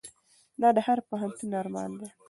دا د هر پښتون ارمان دی.